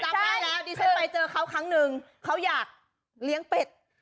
ได้แล้วดิฉันไปเจอเขาครั้งหนึ่งเขาอยากเลี้ยงเป็ด